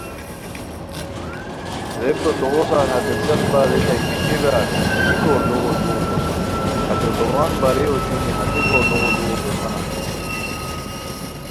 ریکو توغو سار ہتے څیق برار ریتائے کی اے برار کی گوردوغو لوؤ دوسان ہتے دوؤن بارئے اوشونی ہتے گوردوغو لوؤ دوسانا؟